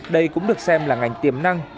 đây cũng được xem là ngành tiềm năng